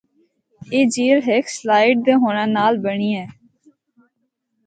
اے جھیل ہک سلائیڈ دے ہونڑا نال بنڑی ہے۔